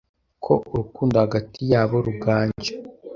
ko urukundo hagati yabo ruganje,